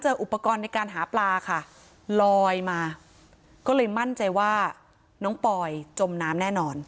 อุปกรณ์ในการหาปลาค่ะลอยมาก็เลยมั่นใจว่าน้องปอยจมน้ำแน่นอน